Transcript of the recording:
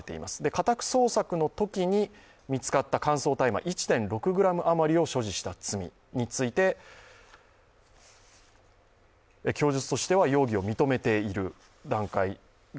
家宅捜索のときに見つかった乾燥大麻１．６ｇ余りを所持した罪について供述としては容疑を認めている段階が